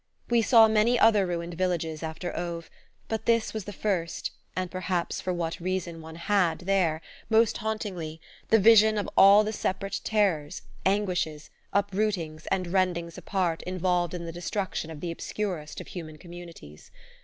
We saw many other ruined villages after Auve, but this was the first, and perhaps for that reason one had there, most hauntingly, the vision of all the separate terrors, anguishes, uprootings and rendings apart involved in the destruction of the obscurest of human communities.